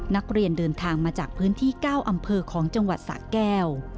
นักเรียนเดินทางมาจากพื้นที่๙อำเภอของจังหวัดสะแก้ว